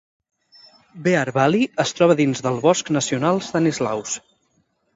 Bear Valley es troba dins del Bosc Nacional Stanislaus.